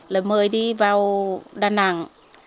là mời đi vào đà nẵng